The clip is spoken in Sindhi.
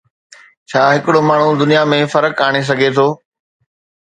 ڇا ھڪڙو ماڻھو دنيا ۾ فرق آڻي سگھي ٿو؟